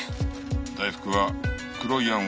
「大福は黒い餡を」